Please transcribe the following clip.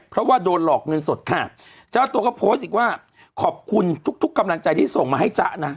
เพราะว่าโดนหลอกเงินสดค่ะเจ้าตัวก็โพสต์อีกว่าขอบคุณทุกทุกกำลังใจที่ส่งมาให้จ๊ะนะ